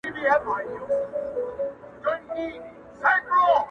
دغه پاڼ به مي په یاد وي له دې دمه!!